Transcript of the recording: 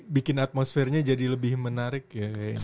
bikin atmosfernya jadi lebih menarik ya